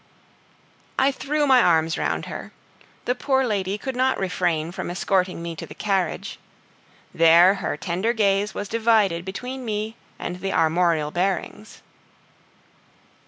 I threw my arms round her. The poor lady could not refrain from escorting me to the carriage. There her tender gaze was divided between me and the armorial bearings.